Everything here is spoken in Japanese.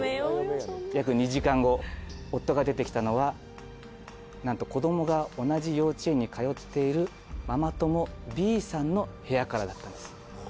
約２時間後夫が出てきたのはなんと子どもが同じ幼稚園に通っているママ友Ｂさんの部屋からだったんです。